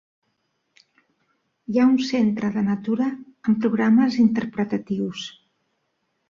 Hi ha un centre de natura amb programes interpretatius.